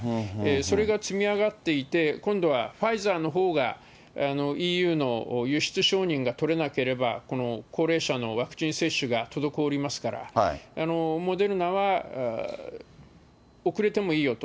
それが積み上がっていて、今度はファイザーのほうがＥＵの輸出承認が取れなければ、この高齢者のワクチン接種が滞りますから、モデルナは遅れてもいいよと。